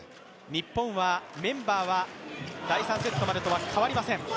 日本はメンバーは第３セットまでとは変わりません。